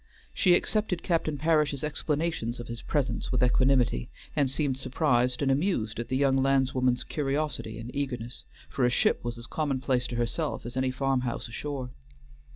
She accepted Captain Parish's explanations of his presence with equanimity, and seemed surprised and amused at the young landswoman's curiosity and eagerness, for a ship was as commonplace to herself as any farm house ashore.